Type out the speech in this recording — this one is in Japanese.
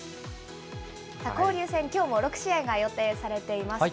交流戦、きょうも６試合が予定されています。